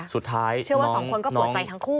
สุดท้ายเชื่อว่าสองคนก็ปวดใจทั้งคู่